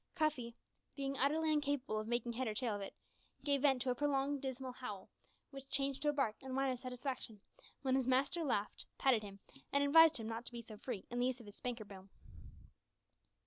Cuffy, being utterly incapable of making head or tail of it, gave vent to a prolonged, dismal howl, which changed to a bark and whine of satisfaction when his master laughed, patted him, and advised him not to be so free in the use of his "spanker boom!"